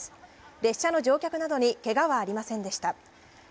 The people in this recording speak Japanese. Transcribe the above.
列車の乗客などにけがはありませんでした。